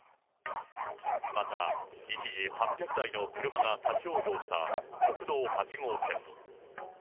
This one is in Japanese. また、一時８００台の車が立往生した国道８号線。